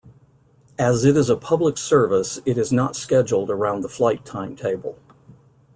As it is a public service it is not scheduled around the flight timetable.